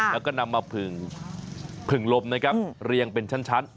แล้วก็นำมาผึ่งลมนะครับเรียงเป็นชั้น